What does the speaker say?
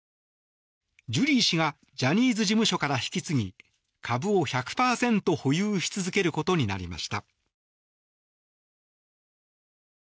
ジュリー氏がジャニーズ事務所から引き継ぎ株を１００％保有し続けることになりました。